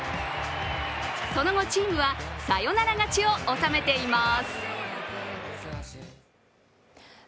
その後、チームはサヨナラ勝ちを収めています。